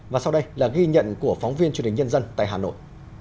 và sau đây là ghi nhận của phóng viên truyền hình nhân dân tại hà nội